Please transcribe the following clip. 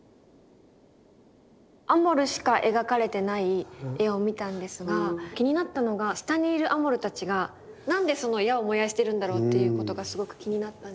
アモルしか描かれてない絵を見たんですが気になったのが下にいるアモルたちがなんでその矢を燃やしてるんだろうっていうことがすごく気になったんですけど。